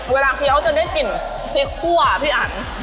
เวลาเขาจะได้กลิ่นเข้วพี่อัน